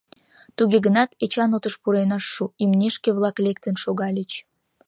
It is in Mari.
Туге гынат, Эчан отыш пурен ыш шу, имнешке-влак лектын шогальыч.